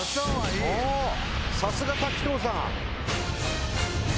さすが滝藤さん！